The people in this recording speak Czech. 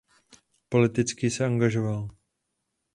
Politicky se angažoval.